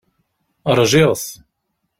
Ṛjiɣ-t.